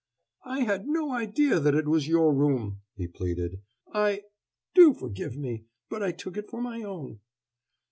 "I had no idea that it was your room!" he pleaded. "I do forgive me but I took it for my own!"